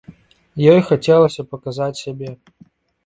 Ёй хацелася паказаць сябе.